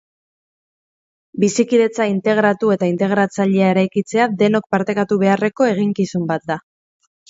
Bizikidetza integratu eta integratzailea eraikitzea denok partekatu beharreko eginkizun bat da.